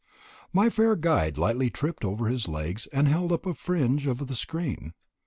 My fair guide lightly tripped over his legs and held up a fringe of the screen.